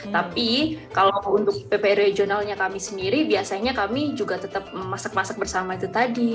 tapi kalau untuk pp regionalnya kami sendiri biasanya kami juga tetap masak masak bersama itu tadi